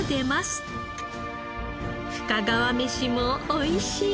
深川飯もおいしい。